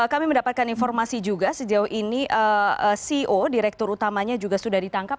kami mendapatkan informasi juga sejauh ini ceo direktur utamanya juga sudah ditangkap